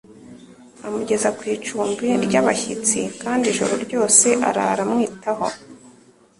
amugeza kw'icumbi ry'abashyitsi kandi ijoro ryose arara amwitaho.